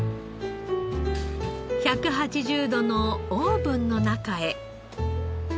１８０度のオーブンの中へ。